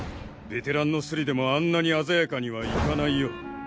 ベテランのスリでもあんなにあざやかにはいかないよ。